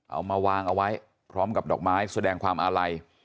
เอามาวางเอาไว้พร้อมกับดอกไม้แสดงความอาลัย